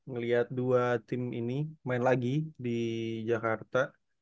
ngelihat dua tim ini main lagi di jakarta